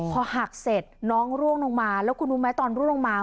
พอหักเสร็จน้องร่วงลงมาแล้วคุณรู้ไหมตอนร่วงลงมา